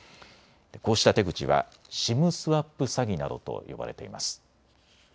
こうした手口はＳＩＭスワップ詐欺などと呼ばれています。